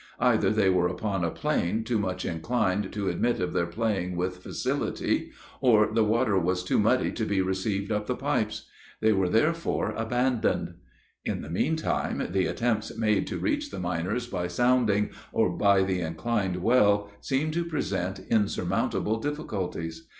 Either they were upon a plane too much inclined to admit of their playing with facility, or the water was too muddy to be received up the pipes; they were therefore abandoned. In the meantime, the attempts made to reach the miners by sounding or by the inclined well, seemed to present insurmountable difficulties.